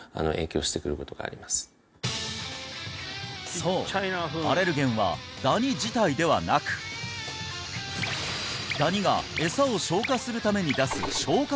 そうアレルゲンはダニ自体ではなくダニが餌を消化するために出す消化